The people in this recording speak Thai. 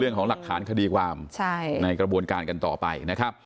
เรื่องของหลักฐานคดีความในกระบวนการกันต่อไปนะครับ